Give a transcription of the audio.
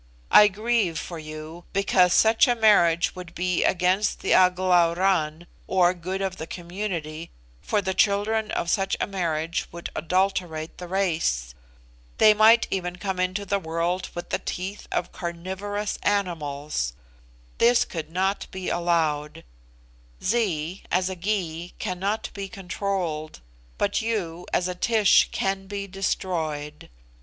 I grieve for you, because such a marriage would be against the A glauran, or good of the community, for the children of such a marriage would adulterate the race: they might even come into the world with the teeth of carnivorous animals; this could not be allowed: Zee, as a Gy, cannot be controlled; but you, as a Tish, can be destroyed.